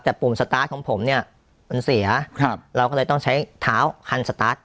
แต่ปุ่มสตาร์ทของผมเนี่ยมันเสียครับเราก็เลยต้องใช้เท้าคันสตาร์ท